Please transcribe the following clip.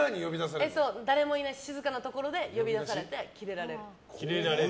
誰もいない静かなところで呼び出されて、キレられる。